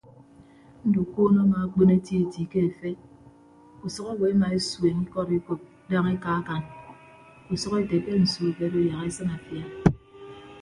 Ndukuunọ amaakpon etieti ke efe usʌk owo emaesueñ ikọd ekop daña ekaakan usʌk ete ke nsu ke odo yak esịn afia.